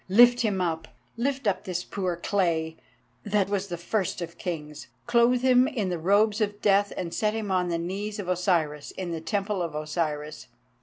Lift him up! Lift up this poor clay, that was the first of kings. Clothe him in the robes of death, and set him on the knees of Osiris in the Temple of Osiris.